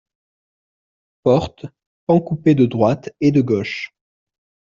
Portes, pan coupé de droite et de gauche.